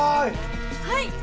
はい！